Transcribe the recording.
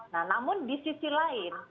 nah namun di sisi lain